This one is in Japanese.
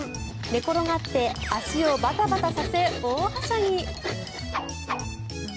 寝転がって足をバタバタさせ大はしゃぎ。